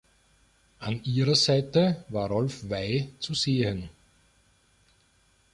An ihrer Seite war Rolf Weih zu sehen.